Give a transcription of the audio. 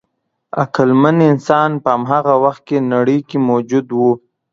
عقلمن انسان په هماغه وخت کې نړۍ کې موجود و.